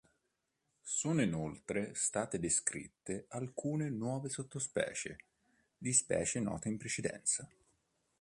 Sono inoltre state descritte alcune nuove sottospecie di specie note in precedenza.